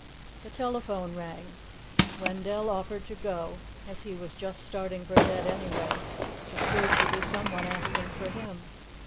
The telephone rang. Wendell offered to go, as he was "just starting for bed anyway." It proved to be someone asking for him.